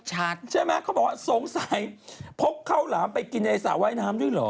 ใช่ไหมเขาบอกว่าสงสัยพกข้าวหลามไปกินในสระว่ายน้ำด้วยเหรอ